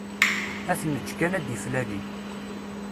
Ad t-neğğ kan ad d-iflali.